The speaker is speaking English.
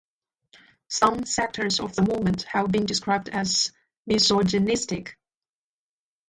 Some sectors of the movement have been described as misogynistic.